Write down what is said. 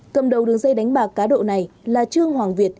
cầm đầu đường dây đánh bạc cá độ này là trương hoàng việt